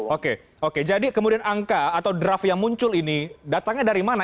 oke oke jadi kemudian angka atau draft yang muncul ini datangnya dari mana